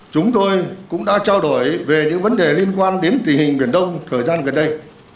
chủ tịch nước cũng cho biết hai bên đã trao đổi về tình hình biển đông thời gian gần đây